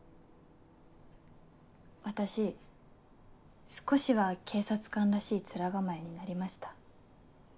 私少しは警察官らしい面構えになりました？